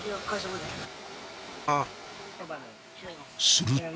［すると］